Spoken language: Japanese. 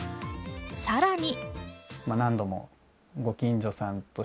さらに。